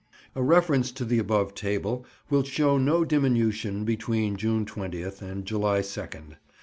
A reference to the above table will show no diminution between June 20th and July 2nd.